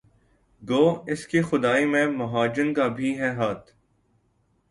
گو اس کی خدائی میں مہاجن کا بھی ہے ہاتھ